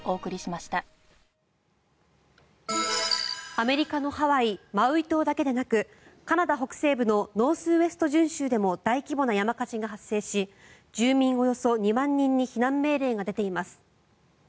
アメリカのハワイ・マウイ島だけでなくカナダ北西部のノースウエスト準州でも大規模な山火事が発生し住民およそ２万人に避難命令が出ています。